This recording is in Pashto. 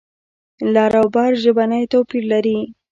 لر او بر ژبنی توپیر لري.